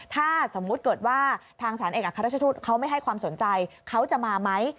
ถ้าสมมุติเกิดว่าทางสถานเอกอัครราชทูตเขาไม่ให้ความสนใจเขาจะมาไหม